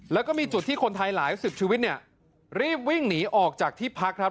แล้วก็มีจุดที่คนไทยหลายสิบชีวิตเนี่ยรีบวิ่งหนีออกจากที่พักครับ